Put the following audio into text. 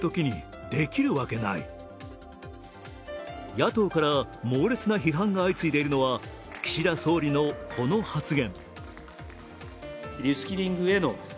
野党から猛烈な批判が相次いでいるのは岸田総理の、この発言。